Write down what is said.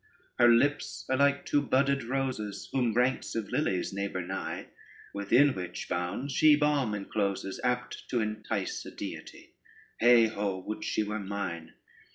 Her lips are like two budded roses, Whom ranks of lilies neighbor nigh, Within which bounds she balm encloses, Apt to entice a deity: Heigh ho, would she were mine.